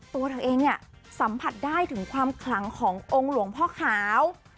ตัวเธอเองเนี่ยสัมผัสได้ถึงความขลังขององค์หลวงพ่อขาว